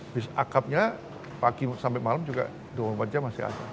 habis akapnya pagi sampai malam juga dua puluh empat jam masih ada